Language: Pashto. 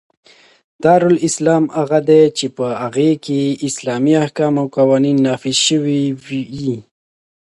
دارالاسلام هغه دئ، چي په هغي کښي اسلامي احکام او قوانینو نافظ سوي يي.